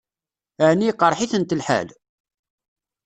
Ɛni iqṛeḥ-itent lḥal?